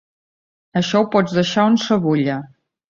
Això ho pots deixar onsevulla.